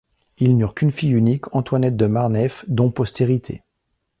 Ils n'eurent qu'une fille unique Antoinette De Marneffe dont postérité.